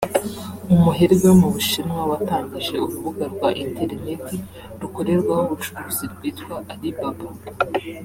umuherwe wo mu Bushinwa watangije urubuga rwa interineti rukorerwaho ubucuruzi rwitwa “Alibaba”